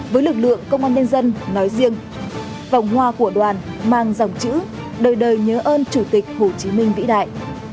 với lực lượng công an nhân dân nói riêng vòng hoa của đoàn mang dòng chữ đời đời nhớ ơn chủ tịch hồ chí minh vĩ đại